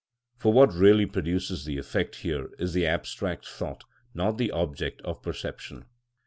_" For what really produces the effect here is the abstract thought, not the object of perception.